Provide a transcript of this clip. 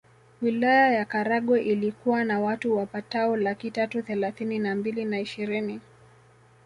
Wilaya ya Karagwe ilikuwa na watu wapatao laki tatu thelathini na mbili na ishirini